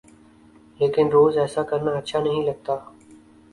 لیکن روز ایسا کرنا اچھا نہیں لگتا۔